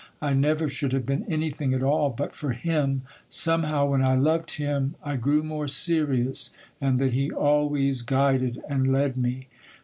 I never should have been anything at all, but for him. Somehow, when I loved him, I grew more serious, and then he always guided and led me.